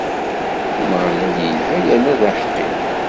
Ameɣlal ilha yerna d aḥeqqi.